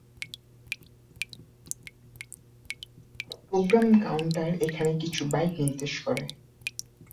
Programme counter এখানে কিছু byte নির্দেশ করে।